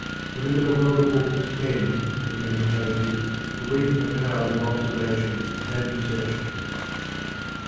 To live in a world of books tends, in many cases, to weaken the powers of observation and perception.